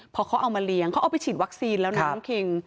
พอเขาเอามาเลี้ยงเขาเอาไปฉีดวัคซีนแล้วนะน้องคิง